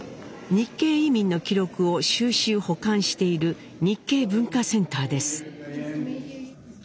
日系移民の記録を収集・保管している日系文化センターです。